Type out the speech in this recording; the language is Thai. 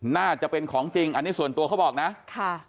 น่าจะเป็นของจริงอันนี้ส่วนตัวเขาบอกนะค่ะ